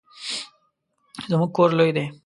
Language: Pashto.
زمونږ کور لوی دی